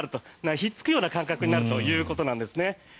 引っつくような感覚になるということなんですね。